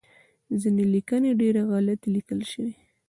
ځینې لیکنې ډیری غلطې لیکل شوی